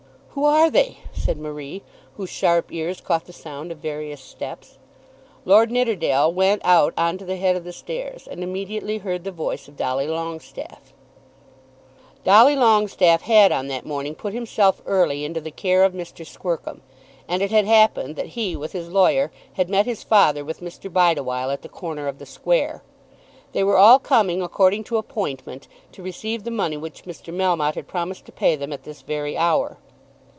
"Who are they?" said Marie, whose sharp ears caught the sound of various steps. Lord Nidderdale went out on to the head of the stairs, and immediately heard the voice of Dolly Longestaffe. Dolly Longestaffe had on that morning put himself early into the care of Mr. Squercum, and it had happened that he with his lawyer had met his father with Mr. Bideawhile at the corner of the square. They were all coming according to appointment to receive the money which Mr. Melmotte had promised to pay them at this very hour.